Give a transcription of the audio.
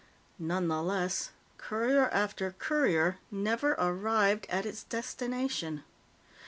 Nonetheless, courier after courier never arrived at its destination.